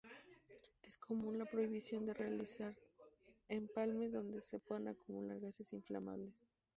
Es común la prohibición de realizar empalmes donde se puedan acumular gases inflamables.